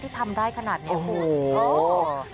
ทำได้ขนาดนี้คุณ